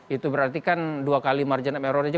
itu berarti kan dua kali margin of error aja